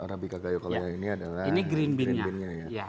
nah arabica gayo kalau yang ini adalah green bean nya